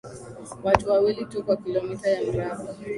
Watu wawili tu kwa kilomita ya mraba